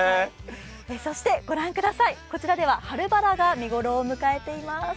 そして御覧ください、こちらでは春ばらが見頃を迎えています。